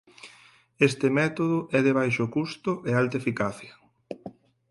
Este método é de baixo custo e alta eficacia.